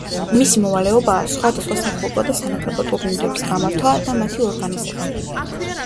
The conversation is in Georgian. მისი მოვალეობაა სხვადასხვა საკლუბო და სანაკრებო ტურნირების გამართვა და მათი ორგანიზება.